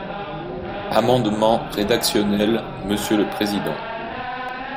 Amendement rédactionnel, monsieur le président.